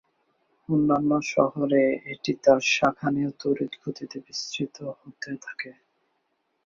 অন্যান্য শহরে এটি তার শাখা নিয়ে তড়িৎ গতিতে বিস্তৃত হতে থাকে।